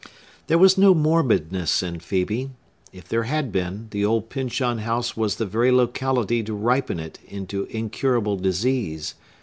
There was no morbidness in Phœbe; if there had been, the old Pyncheon House was the very locality to ripen it into incurable disease.